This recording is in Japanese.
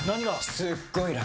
すっごい楽！